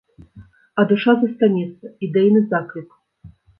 А душа застанецца, ідэйны заклік.